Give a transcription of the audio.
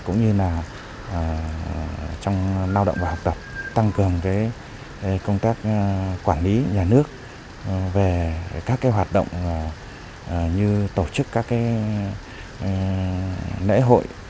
cũng như là trong lao động và học tập tăng cường công tác quản lý nhà nước về các hoạt động như tổ chức các lễ hội